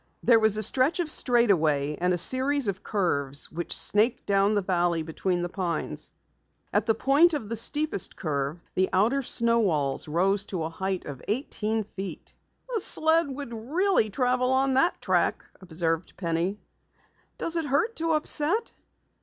There was a stretch of straightaway and a series of curves which snaked down the valley between the pines. At the point of the steepest curve, the outer snow walls rose to a height of eighteen feet. "A sled could really travel on that track," observed Penny. "Does it hurt to upset?"